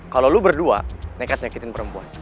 kalau lo berdua nekat nyakitin perempuan